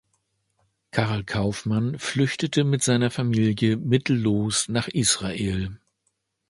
Karl Kaufmann flüchtete mit seiner Familie mittellos nach Israel.